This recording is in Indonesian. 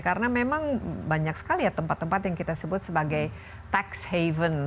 karena memang banyak sekali ya tempat tempat yang kita sebut sebagai tax haven